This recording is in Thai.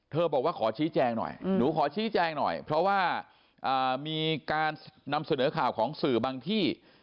บอกว่าขอชี้แจงหน่อยหนูขอชี้แจงหน่อยเพราะว่ามีการนำเสนอข่าวของสื่อบางที่